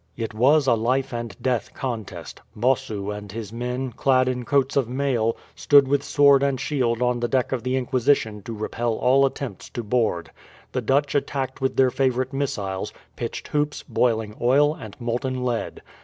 It was a life and death contest. Bossu and his men, clad in coats of mail, stood with sword and shield on the deck of the Inquisition to repel all attempts to board. The Dutch attacked with their favourite missiles pitched hoops, boiling oil, and molten lead.